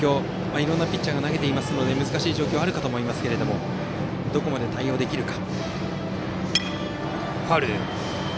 いろんなピッチャーが投げているので難しい状況もあるかと思いますがどこまで対応できるか。